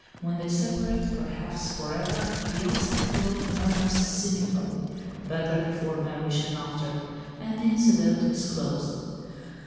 When they separate—perhaps for ever—the outside world murmurs cynically, 'better before marriage than after,' and the incident is closed."